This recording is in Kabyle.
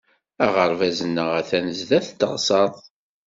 Aɣerbaz-nneɣ atan sdat teɣsert.